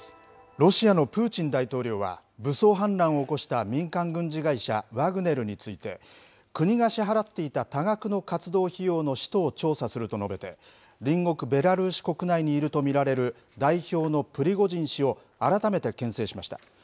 ロシアのプーチン大統領は、武装反乱を起こした民間軍事会社、ワグネルについて、国が支払っていた多額の活動費用の使途を調査すると述べて、隣国ベラルーシ国内にいると見られる代表のプリゴジン氏を改めてけん制しました。